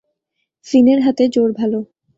ফিনের হাতে জোর ভালো!